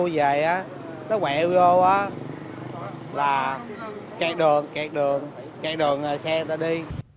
xe nó về nó đua về nó quẹo vô là kẹt đường kẹt đường kẹt đường xe người ta đi